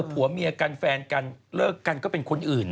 ผัวเมียกันแฟนกันเลิกกันก็เป็นคนอื่น